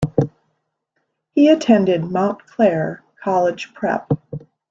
He attended Montclair College Prep.